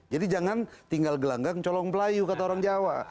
jadi jangan tinggal gelanggang colong pelayu kata orang jawa